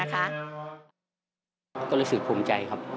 ก็รู้สึกภูมิใจครับ